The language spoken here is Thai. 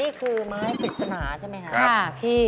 นี่คือไม้กลริตสนาใช่มั้ยค่ะครับพี่